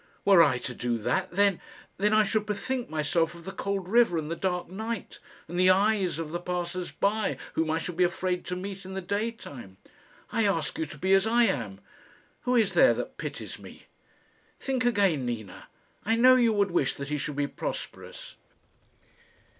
Were I to do that, then then I should bethink myself of the cold river and the dark night, and the eyes of the passers by whom I should be afraid to meet in the daytime. I ask you to be as I am. Who is there that pities me? Think again, Nina. I know you would wish that he should be prosperous."